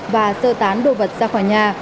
và sơ tán đồ vật ra khỏi nhà